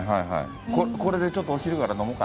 これでちょっとお昼から飲もうかなみたいな。